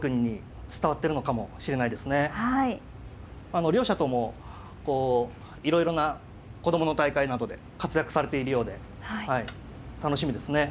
あの両者ともこういろいろな子供の大会などで活躍されているようで楽しみですね。